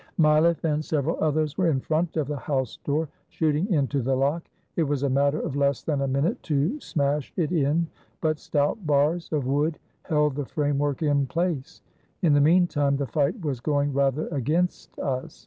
Mileft" and several others were in front of the house door, shooting into the lock. It was a matter of less than a minute to smash it in, but stout bars of wood held the framework in place. In the mean time, the fight was going rather against us.